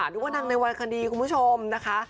นึกว่าดังในวัยคดีคุณผู้ชมนะคะ